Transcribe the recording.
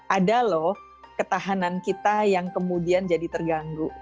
ada loh ketahanan kita yang kemudian jadi terganggu